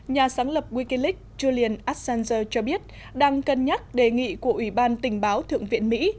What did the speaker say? nhà sáng lập wikileak julian assanger cho biết đang cân nhắc đề nghị của ủy ban tình báo thượng viện mỹ